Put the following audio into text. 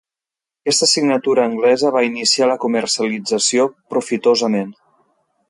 Aquesta signatura anglesa va iniciar la comercialització profitosament.